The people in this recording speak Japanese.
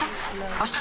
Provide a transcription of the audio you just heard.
あした？